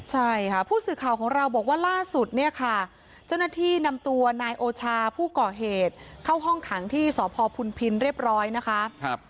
ใช่ค่ะผู้สื่อข่าวของเราบอกว่าล่าสุดเนี่ยค่ะเจ้าหน้าที่นำตัวนายโอชาผู้ก่อเหตุเข้าห้องขังที่สพพุนพินเรียบร้อยนะคะ